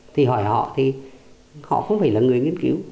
thì hỏi họ thì họ không phải là người nghiên cứu